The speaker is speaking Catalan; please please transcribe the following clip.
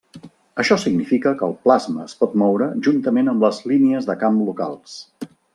Això significa que el plasma es pot moure juntament amb les línies de camp locals.